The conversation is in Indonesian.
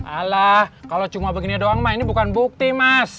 alah kalau cuma begini doang ini bukan bukti mas